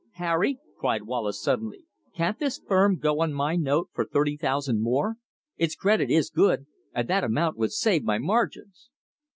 "Harry," cried Wallace suddenly, "couldn't this firm go on my note for thirty thousand more? Its credit is good, and that amount would save my margins."